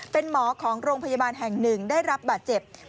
เป็นหมอของโรงพยาบาลแห่งหนึ่งได้รับบาดเจ็บ